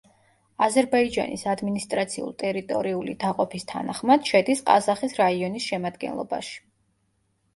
აზერბაიჯანის ადმინისტრაციულ-ტერიტორიული დაყოფის თანახმად შედის ყაზახის რაიონის შემადგენლობაში.